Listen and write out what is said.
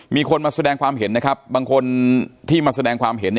มีคนมาแสดงความเห็นนะครับบางคนที่มาแสดงความเห็น